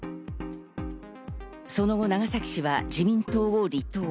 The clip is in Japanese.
その後、長崎氏は自民党を離党。